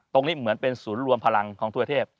เหมือนเป็นศูนย์รวมพลังของทั่วเทพ